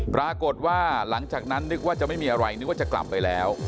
ปรากฏว่าหลังจากนั้นนึกว่าจะไม่มีอะไรนึกว่าจะกลับไปแล้ว